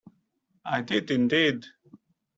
I did, indeed.